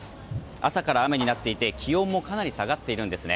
朝から雨になっていて気温もかなり下がっているんですね。